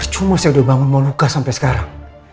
percuma saya udah bangun mau luka sampai sekarang